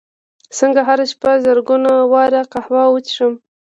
څنګه هره شپه زرګونه واره قهوه وڅښم